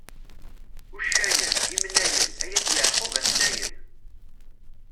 Uccayen, imnayen, ay at Yaɛqub a-ten-ayen!